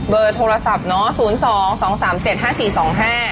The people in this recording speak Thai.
เบอร์โทรศัพท์เนาะ